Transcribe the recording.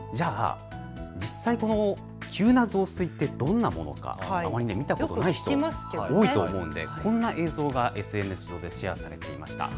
実際、急な増水ってどんなものかあまり見たことない方が多いと思うんでこんな映像がＳＮＳ上でシェアされていました。